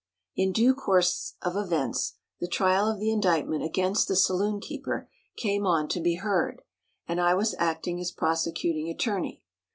In due course of events the trial of the indictment against the saloonkeeper came on to be heard, and I was acting as prosecuting attorney.